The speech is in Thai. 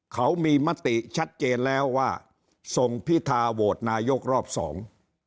เขามีมติชัดเจนแล้วว่าส่งพิธาโหวตนายกรอบสอง